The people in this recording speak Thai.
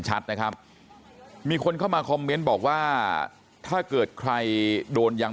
ชัดนะครับมีคนเข้ามาคอมเมนต์บอกว่าถ้าเกิดใครโดนยัง